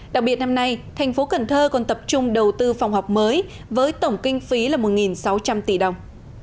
đặc biệt năm nay thành phố cần thơ còn tập trung đầu tư phòng học mới với tổng kinh phí là một sáu trăm linh tỷ đồng